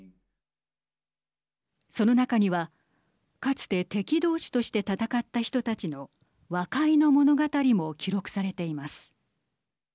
その中には、かつて敵同士として戦った人たちの和解の物語も記録されています。